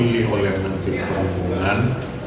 mewakili oleh menteri perhubungan